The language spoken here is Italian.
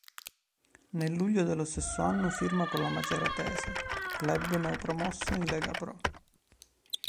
Nel luglio dello stesso anno firma con la Maceratese, club neopromosso in Lega Pro.